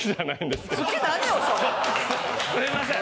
すいません。